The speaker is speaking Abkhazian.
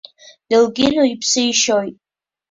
Делкино иԥсы ишьоит.